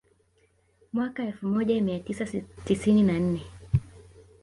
Mwaka elfu moja mia tisa tisini na nne